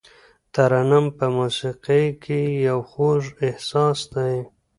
ترنم په موسیقۍ کې یو خوږ احساس دی.